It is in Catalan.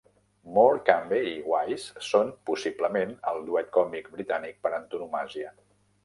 Morecambe i Wise són possiblement el duet còmic britànic per antonomàsia.